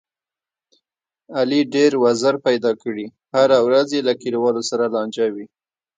علي ډېر وزر پیدا کړي، هره ورځ یې له کلیوالو سره لانجه وي.